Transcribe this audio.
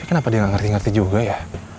tapi kenapa dia gak ngerti ngerti juga ya